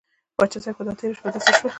پاچا صاحب دا خو تېره شپه داسې شوه.